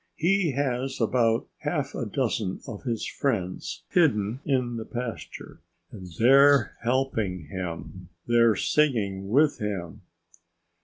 He has about half a dozen of his friends hidden in the pasture. And they're helping him. They're singing with him."